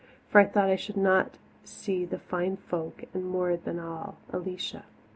For I thought I should not see the fine folk and, more than all, Alicia.